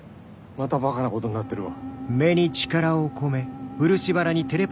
またバカなことになってるわ。